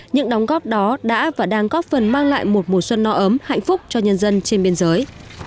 những đóng góp đó đã và đang góp phần mang lại một mùa xuân no ấm hạnh phúc cho nhân dân trên biên giới